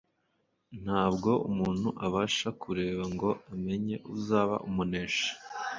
ntabwo umuntu abasha kureba ngo amenye uzaba umuneshi;